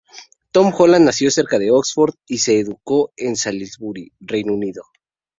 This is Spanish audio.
Tom Holland nació cerca de Oxford y se educó cerca de Salisbury, Reino Unido.